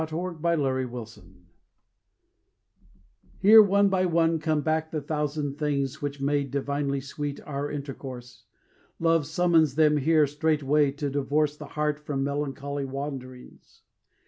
THE THOUSAND THINGS Here one by one come back the thousand things Which made divinely sweet our intercourse; Love summons them here straightway to divorce The heart from melancholy wanderings.